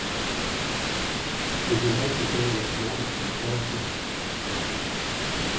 Would you like a game of noughts and crosses?